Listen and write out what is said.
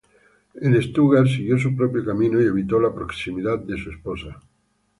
En Stuttgart siguió su propio camino y evitó la proximidad de su esposa.